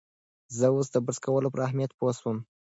زه اوس د برس کولو پر اهمیت پوه شوم.